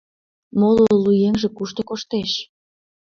Моло лу еҥже кушто коштеш?